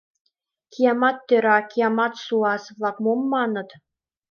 Киямат тӧра, киямат саус-влак мом маныт?..